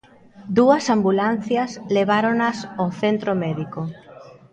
Dúas ambulancias leváronas ao centro médico.